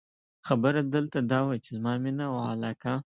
خبره دلته دا وه، چې زما مینه او علاقه.